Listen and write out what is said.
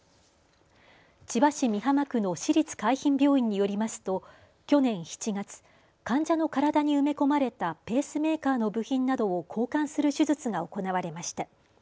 千葉市美浜区の市立海浜病院によりますと去年７月、患者の体に埋め込まれたペースメーカーの部品などを交換する手術が行われました。